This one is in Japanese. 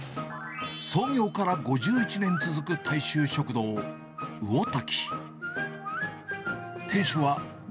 創業から５１年続く大衆食堂、魚滝。